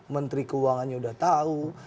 menteri keuangannya sudah tahu